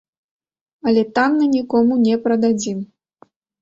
Але танна нікому не прададзім.